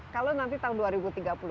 kalau nanti tahun dua ribu tiga puluh